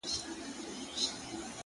موږ د غني افغانستان په لور قدم ايښی دی’